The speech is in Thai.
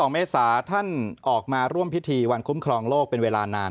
เมษาท่านออกมาร่วมพิธีวันคุ้มครองโลกเป็นเวลานาน